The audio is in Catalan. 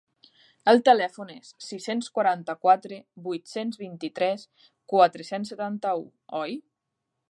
El telèfon és sis-cents quaranta-quatre vuit-cents vint-i-tres quatre-cents setanta-u oi?